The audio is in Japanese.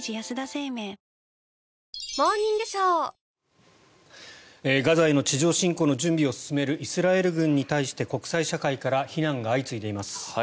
ペイトクガザへの地上侵攻の準備を進めるイスラエル軍に対して国際社会から非難が相次いでいます。